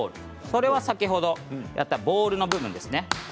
これは先ほどやったボールの部分ですね。